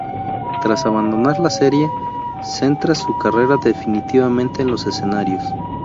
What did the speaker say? Tras abandonar la serie, centra su carrera definitivamente en los escenarios.